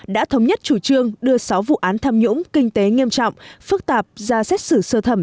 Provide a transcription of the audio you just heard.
đã thống nhất chủ trương đưa sáu vụ án tham nhũng kinh tế nghiêm trọng phức tạp ra xét xử sơ thẩm